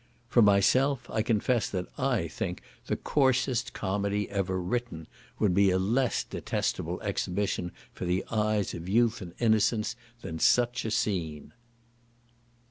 For myself, I confess that I think the coarsest comedy ever written would be a less detestable exhibition for the eyes of youth and innocence than such a scene.